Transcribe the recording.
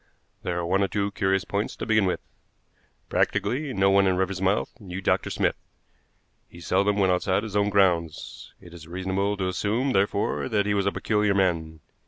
There are one or two curious points to begin with. Practically no one in Riversmouth knew Dr. Smith. He seldom went outside his own grounds. It is reasonable to assume, therefore, that he was a peculiar man.